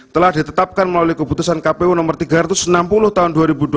telah ditetapkan melalui keputusan kpu nomor tiga ratus enam puluh tahun dua ribu dua puluh